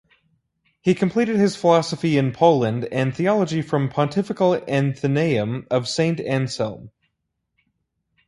He completed his philosophy in Poland and Theology from Pontifical Athenaeum of Saint Anselm.